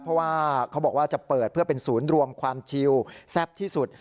เพราะว่าเขาบอกว่าจะเปิดเพื่อเป็นศูนย์รวมความชิวแซ่บที่สุด